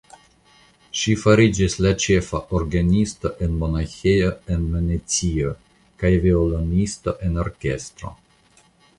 Ŝi fariĝis la ĉefa orgenisto de Monaĥejo en Venecio kaj violonisto en orkestro.